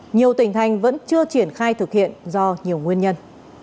nhiều tỉnh thành vẫn chưa triển khai thực hiện do nhiều nguyên nhân